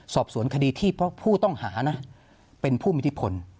สอบสวนคดีที่เพราะผู้ต้องหานะเป็นผู้มีที่ผล